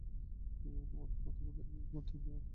তিনি বিভিন্ন নতুন মন্দির নির্মাণ ও মূর্তি নির্মাণ করান।